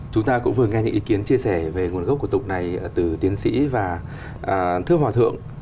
chúng ta cũng vừa nghe những ý kiến chia sẻ về nguồn gốc của tục này từ tiến sĩ và thưa hòa thượng